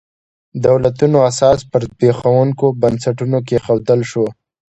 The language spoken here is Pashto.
دولتونو اساس پر زبېښونکو بنسټونو کېښودل شو.